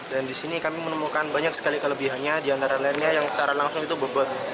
dan di sini kami menemukan banyak sekali kelebihannya di antara lainnya yang secara langsung itu bahwa